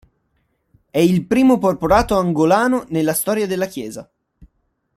È il primo porporato angolano nella storia della Chiesa.